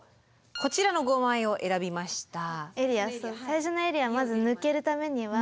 こちらの５枚を選びました。